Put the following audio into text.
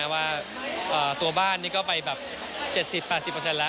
ว่าตัวบ้านนี่ก็ไปแบบ๗๐๘๐แล้ว